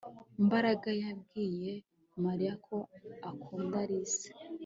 Mbaraga yabwiye Mariya ko akunda Alice